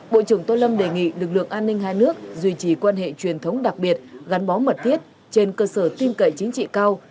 bộ trưởng tô lâm đề nghị lực lượng an ninh hai nước duy trì quan hệ truyền thống đặc biệt gắn bó mật thiết trên cơ sở tiêm cậy chính trị cao